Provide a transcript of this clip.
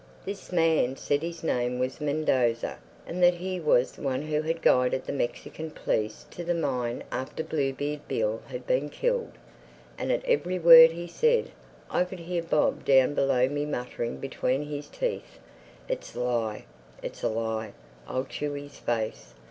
This man said his name was Mendoza and that he was the one who had guided the Mexican police to the mine after Bluebeard Bill had been killed. And at every word he said I could hear Bob down below me muttering between his teeth, "It's a lie! It's a lie! I'll chew his face.